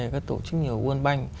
các tổ chức nhiều nguồn banh